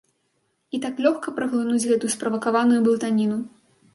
І так лёгка праглынуць гэтую справакаваную блытаніну!